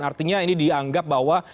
artinya ini dianggap bahwa